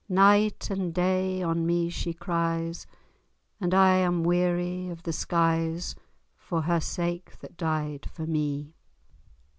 Night and day on me she cries, And I am weary of the skies, For her sake that died for me.